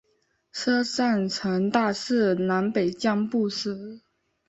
车站呈大致南北向布置。